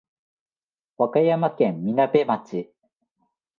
和歌山県みなべ町